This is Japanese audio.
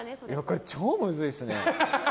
これ超ムズいですね。